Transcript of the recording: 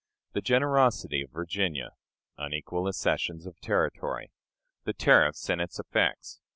The Generosity of Virginia. Unequal Accessions of Territory. The Tariff and its Effects.